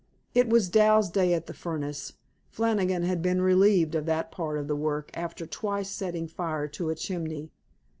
It was Dal's day at the furnace; Flannigan had been relieved of that part of the work after twice setting fire to a chimney.